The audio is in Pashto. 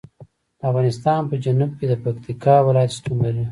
د افغانستان په جنوب کې د پکتیکا ولایت شتون لري.